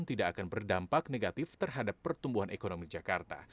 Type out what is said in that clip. tidak akan berdampak negatif terhadap pertumbuhan ekonomi jakarta